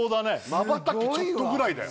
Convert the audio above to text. まばたきちょっとぐらいだよ